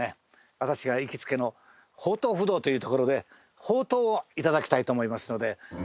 私が行きつけの「ほうとう不動」というところでほうとうを頂きたいと思いますので。